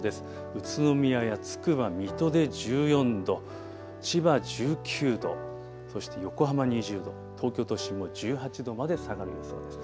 宇都宮やつくば、水戸で１４度、千葉１９度、そして横浜２０度、東京都心も１８度まで下がる予想です。